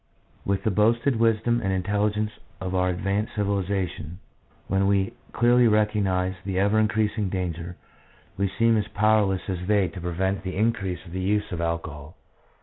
With the boasted wisdom and intelligence of our advanced civilization, when we clearly recognise the ever increasing danger, we seem as powerless as they to prevent the increase of the use of alcohol. 2 PSYCHOLOGY OF ALCOHOLISM.